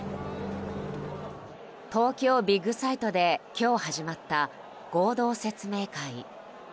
東京ビッグサイトで今日始まった、合同説明会。